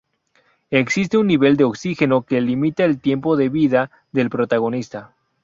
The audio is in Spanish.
Existe un nivel de oxígeno que limita el tiempo de vida del protagonista.